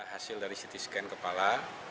hasil dari ct scan kepala